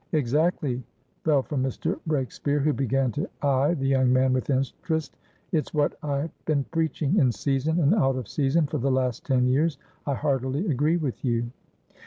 "Exactly," fell from Mr. Breakspeare, who began to eye the young man with interest. "It's what I've been preaching, in season and out of season, for the last ten years. I heartily agree with you."